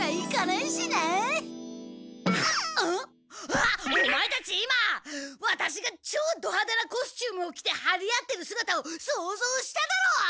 あっオマエたち今ワタシが超ドハデなコスチュームを着てはり合ってるすがたをそうぞうしただろう！